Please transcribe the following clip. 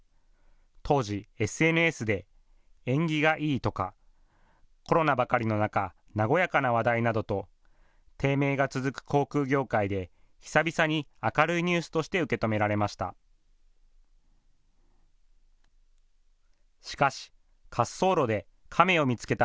当時、ＳＮＳで縁起がいいとかコロナばかりの中、和やかな話題などと低迷が続く航空業界で久々に明るいニュースとして受け止められました。